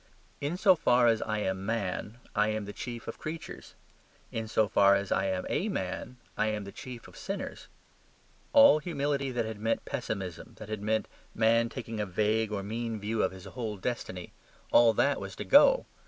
In so far as I am Man I am the chief of creatures. In so far as I am a man I am the chief of sinners. All humility that had meant pessimism, that had meant man taking a vague or mean view of his whole destiny all that was to go.